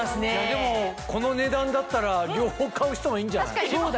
でもこの値段だったら両方買う人もいるんじゃない？